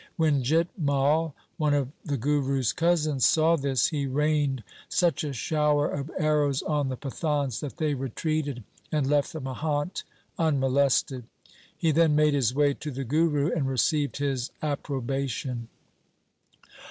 When Jit Mai, one of the Guru's cousins, saw this, he rained such a shower of arrows on the Pathans, that they retreated and left the mahant unmolested. He then made his way to the Guru, and received his approbation.